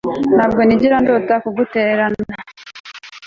Ntabwo nigera ndota kugutererana